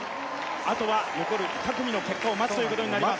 あとは残る２組の結果を待つということになります